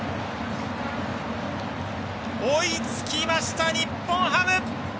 追いつきました、日本ハム！